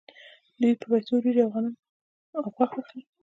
دوی په پیسو وریجې او غنم او غوښه اخلي